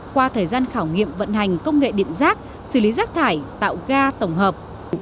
qua thời gian khảo nghiệm vận hành công nghệ điện rác xử lý rác thải tạo ga tổng hợp